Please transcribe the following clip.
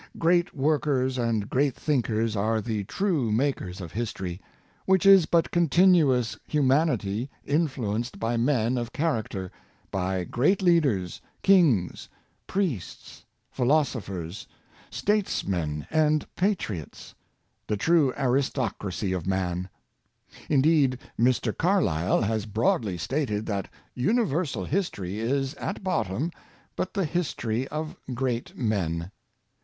Great workers and great thinkers are the true makers of history, which is but continuous humanity influenced by men of character — by great leaders, kings, priests, philosophers, statesmen, and patriots — the true aristoc racy of man. Indeed, Mr. Carlyle has broadly stated that Universal History is, at bottom, but the history of Great Men.